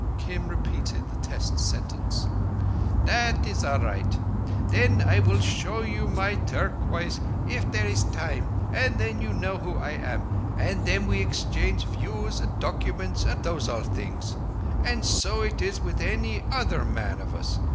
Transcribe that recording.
Kim repeated the test sentence. "That is all right. Then I will show you my turquoise if there is time, and then you know who I am, and then we exchange views and documents and those all things. And so it is with any other man of us.